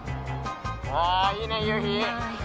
わぁいいね夕日！